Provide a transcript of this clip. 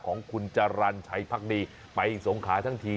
ของคุณจรรย์ชัยพักดีไปสงขาทั้งที